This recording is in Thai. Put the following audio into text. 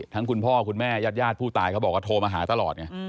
ทั้งคุณพ่อคุณแม่ยาดผู้ตายว่าเขาบอกว่าโทรมาหาตลอด